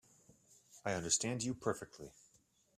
I understand you perfectly.